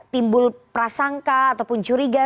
timbul prasangka ataupun curiga